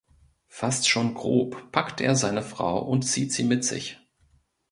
Fast schon grob packt er seine Frau und zieht sie mit sich.